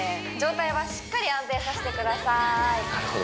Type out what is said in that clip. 上体はしっかり安定させてください